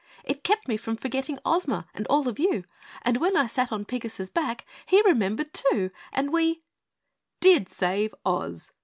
It kept me from forgetting Ozma and all of you, and when I sat on Pigasus' back, he remembered, too, and we " "Did save Oz!"